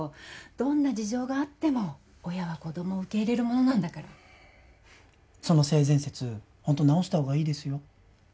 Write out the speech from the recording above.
どんな事情があっても親は子供を受け入れるものなんだからその性善説ホント直した方がいいですよ